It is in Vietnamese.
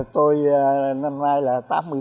tôi năm nay là tám tuổi